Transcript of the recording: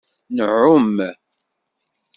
Nɛum.